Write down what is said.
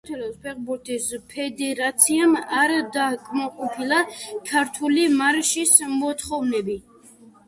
საქართველოს ფეხბურთის ფედერაციამ არ დააკმაყოფილა „ქართული მარშის“ მოთხოვნები.